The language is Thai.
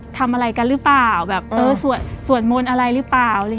ทำอะไรกันหรือเปล่าแบบเออสวดมนต์อะไรหรือเปล่า